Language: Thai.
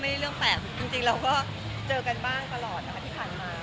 เรื่องแปลกจริงเราก็เจอกันบ้างตลอดนะคะที่ผ่านมา